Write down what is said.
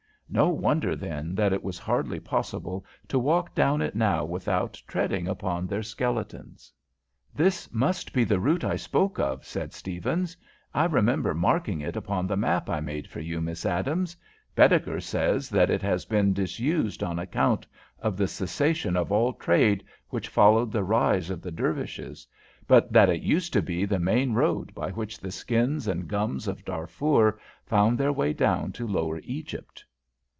No wonder, then, that it was hardly possible to walk down it now without treading upon their skeletons. "This must be the route I spoke of," said Stephens. "I remember marking it upon the map I made for you, Miss Adams. Baedeker says that it has been disused on account of the cessation of all trade which followed the rise of the Dervishes, but that it used to be the main road by which the skins and gums of Darfur found their way down to Lower Egypt."